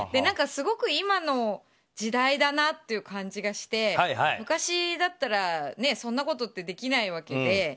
すごく今の時代だなっていう感じがして昔だったらそんなことってできないわけで。